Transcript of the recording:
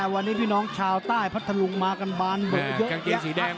วันนี้พี่น้องชาวใต้พัทธรุงมากันบ้านเยอะแยะมาก